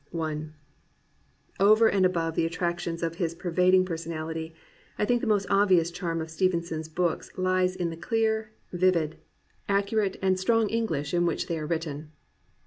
I Over and above the attraction of his pervading personality, I think the most obvious charm of Stevenson's books lies in the clear, vivid, accurate 369 COMPANIONABLE BOOKS and strong English in which they are written.